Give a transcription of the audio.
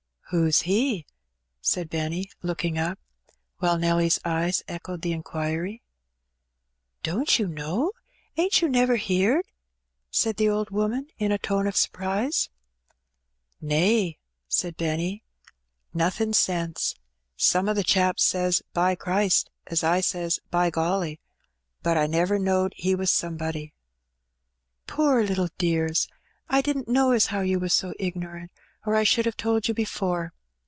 "Who's He?" said Benny, looking up; while Nelly's eyes echoed the inquiry. "Don't you know — ain't you never heerd?" said the old woman, in a tone of surprise. "Nay," said Benny; "nothin' sense. Some o' the chaps says ^ by Christ ' as I says ' by golly '; but I never knowed He was somebody." '^ Poor little dears ! I didn't know as how you was so ignorant, or I should have told you before."